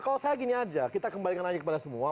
kalau saya gini aja kita kembalikan aja kepada semua